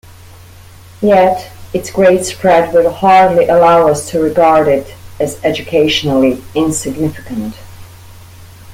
Yet its great spread will hardly allow us to regard it as educationally insignificant.